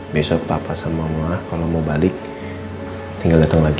besok papa sama mama kalau mau balik tinggal datang lagi